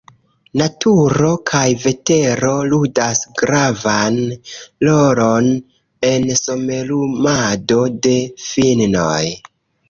Naturo kaj vetero ludas gravan rolon en somerumado de finnoj.